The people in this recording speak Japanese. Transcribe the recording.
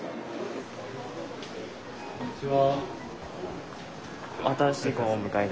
こんにちは。